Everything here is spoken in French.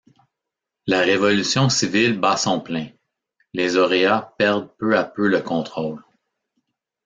La révolution civile bat son plein, les Auréats perdent peu à peu le contrôle.